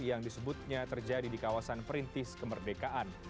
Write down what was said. yang disebutnya terjadi di kawasan perintis kemerdekaan